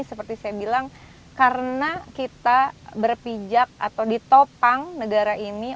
seperti saya bilang karena kita berpijak atau ditopang negara ini